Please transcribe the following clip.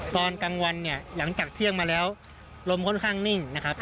ตอนกลางวันเนี่ยหลังจากเที่ยงมาแล้วลมค่อนข้างนิ่งนะครับ